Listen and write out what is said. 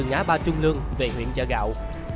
ngã ba trung lương về huyện gia gạo